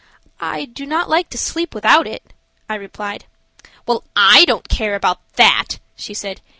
"I do not like to sleep without," I replied. "Well, I don't care about that," she said.